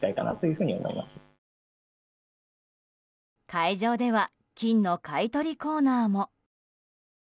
会場では金の買い取りコーナーも。